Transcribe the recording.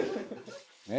「ねえ。